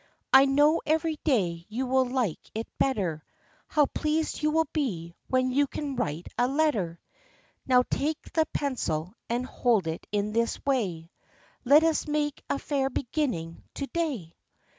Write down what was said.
I know every day you will like it better; How pleased you will be, when you can write a letter ! Now take the pencil, and hold it in this way: Let us make a fair beginning to day.